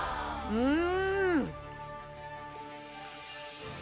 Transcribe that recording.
うん。